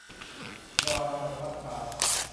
รอยอาลัย - พัดชา